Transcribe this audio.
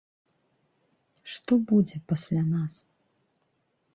Што будзе пасля нас?